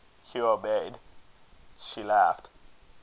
Hugh obeyed. She laughed.